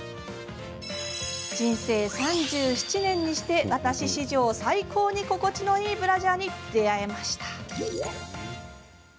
人生３７年にして私史上、最高に心地のいいブラジャーに出会えました。